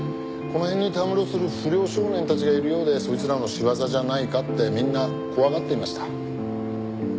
この辺にたむろする不良少年たちがいるようでそいつらの仕業じゃないかってみんな怖がっていました。